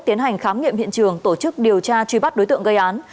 tiến hành khám nghiệm hiện trường tổ chức điều tra truy bắt đối tượng gây án